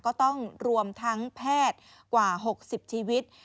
ก็ต้องรวมทั้งแพทย์กว่า๖๐ชีวิต